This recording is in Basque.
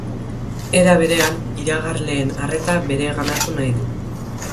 Era berean, iragarleen arreta bereganatu nahi du.